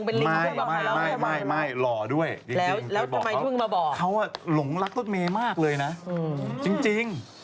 พี่โรนเมมากเลยนะจริง